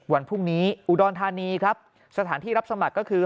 วันพรุ่งนี้อุดรธานีครับสถานที่รับสมัครก็คือ